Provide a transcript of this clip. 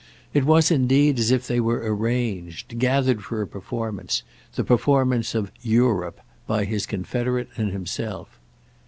It was indeed as if they were arranged, gathered for a performance, the performance of "Europe" by his confederate and himself.